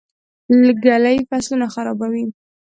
ږلۍ فصلونه خرابوي.